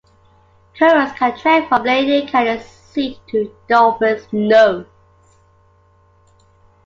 Tourists can trek from Lady Canning's Seat to Dolphin's Nose.